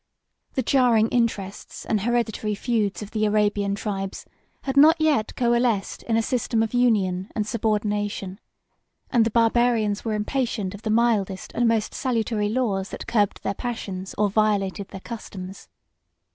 The jarring interests and hereditary feuds of the Arabian tribes had not yet coalesced in a system of union and subordination; and the Barbarians were impatient of the mildest and most salutary laws that curbed their passions, or violated their customs.